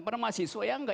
pada mahasiswa ya enggak